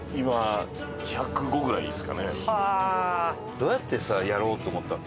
どうやってさやろうと思ったわけ？